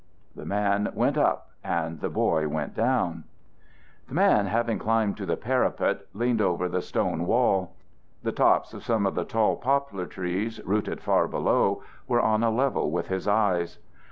The man went up and the boy went down. The man, having climbed to the parapet, leaned over the stone wall. The tops of some of the tall poplar trees, rooted far below, were on a level with his eyes.